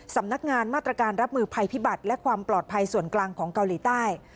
สำนักงานมาตรการรับมือภัยพิบัติและความปลอดภัยส่วนกลางของเกาหลีใต้